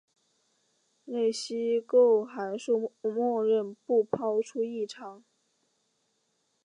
类析构函数默认不抛出异常。